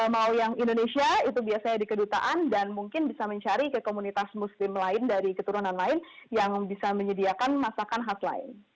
mau yang indonesia itu biasanya di kedutaan dan mungkin bisa mencari ke komunitas muslim lain dari keturunan lain yang bisa menyediakan masakan hotline